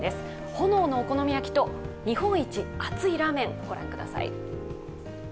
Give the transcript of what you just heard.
炎のお好み焼きと日本一熱いラーメン、ご覧ください。